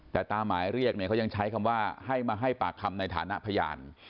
แต่ตามหมายเรียกเนี่ยเขายังใช้คำว่าให้มาให้ปากคำในฐานะพยาน